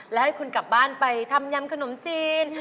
แล้วให้คุณกลับบ้านไปทำยำขนมจีน